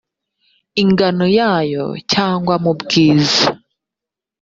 ingano yayo cyangwa mu bwiza